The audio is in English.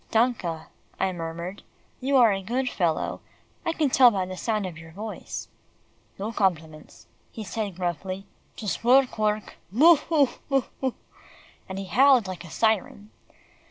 "Danke," I murmured, "you are a good fellow; I can tell by the sound of your voice." "No compliments," he said gruffly, "just work, work Boo, hoo! boo hoo!" and he howled like a siren.